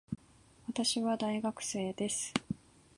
私は大学生です。